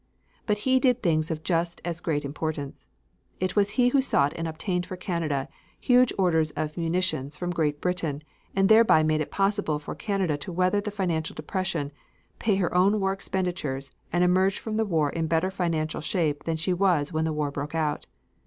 But he did things of just as great importance. It was he who sought and obtained for Canada, huge orders for munitions from Great Britain and thereby made it possible for Canada to weather the financial depression, pay her own war expenditures and emerge from the war in better financial shape than she was when the war broke out.